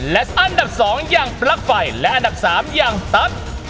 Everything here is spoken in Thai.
และอันดับ๒อย่างปลั๊กไฟและอันดับ๓อย่างตั๊ก